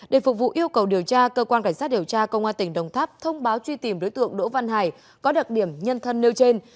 để phục vụ yêu cầu điều tra cơ quan cảnh sát điều tra công an tỉnh đồng tháp thông báo truy tìm đối tượng đỗ văn hải có đặc điểm nhân thân nêu trên